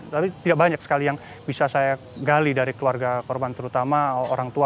tapi tidak banyak sekali yang bisa saya gali dari keluarga korban terutama orang tua